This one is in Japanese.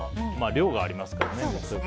量がありますからね。